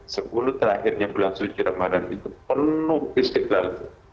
sepuluh terakhirnya bulan suci ramadan itu penuh istiqlal